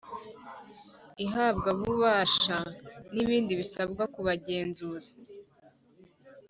Ihabwabubasha n ibindi bisabwa ku bagenzuzi